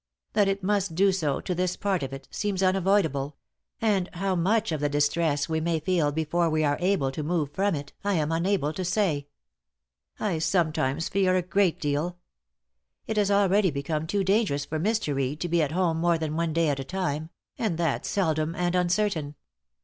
That it must do so to this part of it, seems unavoidable; and how much of the distress we may feel before we are able to move from it, I am unable to say. I sometimes fear a great deal. It has already become too dangerous for Mr. Reed to be at home more than one day at a time, and that seldom and uncertain.